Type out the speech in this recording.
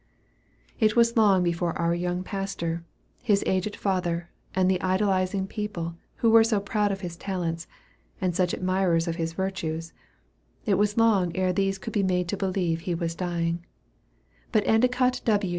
It was long before our young pastor, his aged father, and the idolizing people, who were so proud of his talents, and such admirers of his virtues, it was long ere these could be made to believe he was dying; but Endicott W.